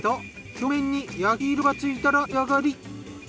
表面に焼き色がついたら出来上がり。